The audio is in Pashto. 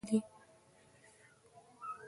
هغوی یې یوازې وه شاته د خزهوالو د خوښۍ لپاره ساتلي.